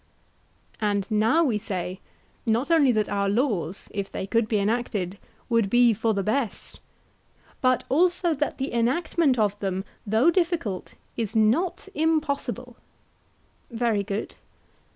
And now we say not only that our laws, if they could be enacted, would be for the best, but also that the enactment of them, though difficult, is not impossible. Very good.